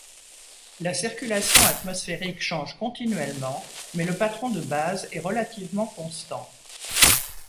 La circulation atmosphérique change continuellement mais le patron de base est relativement constant.